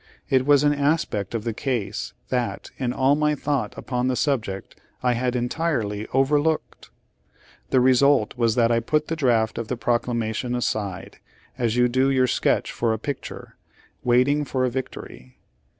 It was an aspect of the case that, in all my thought upon the subject, I had entirely overlooked. The result was that I put the draft of the proclamation aside, as you do your sketch for a picture, waiting for a victory.